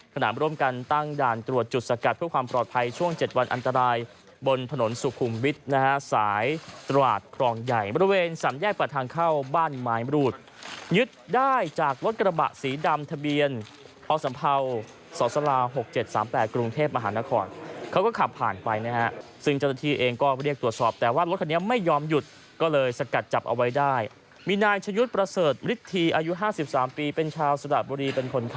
ขณะร่วมกันตั้งด่านตรวจจุดสกัดเพื่อความปลอดภัยช่วง๗วันอันตรายบนผนสุขุมวิทย์นะฮะสายตรวจครองใหญ่บริเวณสามแยกประทางเข้าบ้านมายมรูดยึดได้จากรถกระบะสีดำทะเบียนอสัมเภาศรษรา๖๗๓๘กรุงเทพฯมหาลนครเขาก็ขับผ่านไปนะฮะซึ่งเจ้าหน้าที่เองก็เรียกตรวจสอบแต่ว่ารถคันนี้